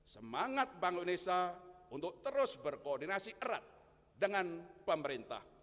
semangat bank indonesia untuk terus berkoordinasi erat dengan pemerintah